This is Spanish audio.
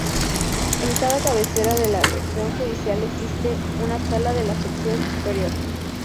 En cada cabecera de región judicial existe una sala de la Sección Superior.